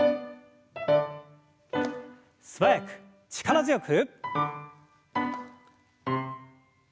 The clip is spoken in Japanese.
素早く力強く。